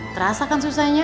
terasa kan susahnya